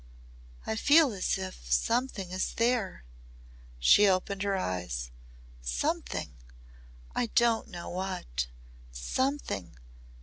"I feel as if something is there." She opened her eyes, "Something I don't know what. 'Something.'